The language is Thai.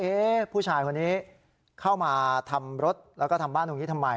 ผู้ชายคนนี้เข้ามาทำรถแล้วก็ทำบ้านตรงนี้ทำไม